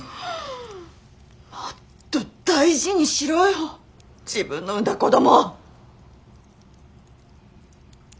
もっと大事にしろよ自分の産んだ子供！